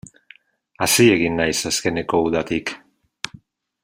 Hazi egin naiz azkeneko udatik.